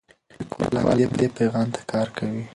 لیکوال همدې پیغام ته کار کوي.